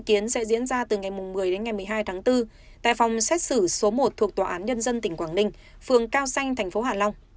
dự kiến sẽ diễn ra từ ngày một mươi đến ngày một mươi hai tháng bốn tại phòng xét xử số một thuộc tòa án nhân dân tỉnh quảng ninh phường cao xanh tp hạ long